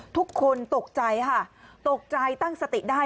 ทุกคนตกใจค่ะตกใจตั้งสติได้